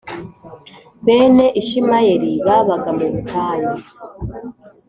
Bene Ishimayeli babaga mubutayu